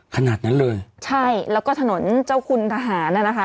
ขนาดนั้นเลยใช่แล้วก็ถนนเจ้าคุณทหารน่ะนะคะ